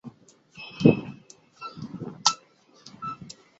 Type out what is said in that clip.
江夏区在地层区划上属扬子地层区下扬子分区大冶小区。